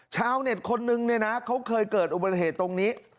ชาวเน็ตคนนึงเนี่ยนะเขาเคยเกิดอุบัติเหตุตรงนี้